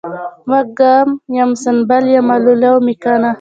وږم یم ، سنبل یمه لولی مې کنه